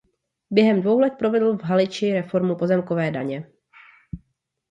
Během dvou let provedl v Haliči reformu pozemkové daně.